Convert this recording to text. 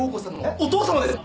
お父様ですか！？